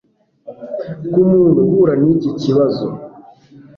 ku muntu uhura n'iki kibazo.